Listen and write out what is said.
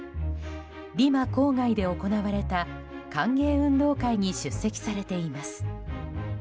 リマ郊外で行われた歓迎運動会に出席されています。